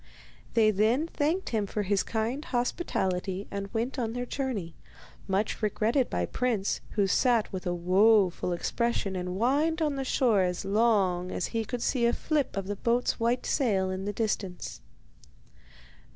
They then thanked him for his kind hospitality and went on their journey, much regretted by Prince, who sat with a woeful expression and whined on the shore as long as he could see a flip of the boat's white sail in the distance.